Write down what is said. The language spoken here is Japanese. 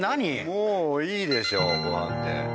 もういいでしょうご飯で。